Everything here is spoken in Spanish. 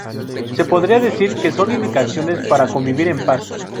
Se podría decir que son indicaciones para convivir en paz.